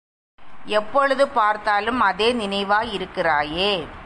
எப்பொழுது பார்த்தாலும் அதே நினைவாயிருக்கிறாயே.